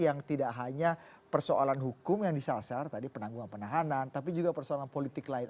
yang tidak hanya persoalan hukum yang disasar tadi penanggungan penahanan tapi juga persoalan politik lain